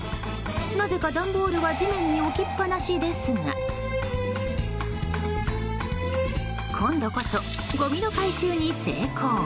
なぜか段ボールは地面に置きっぱなしですが今度こそ、ごみの回収に成功。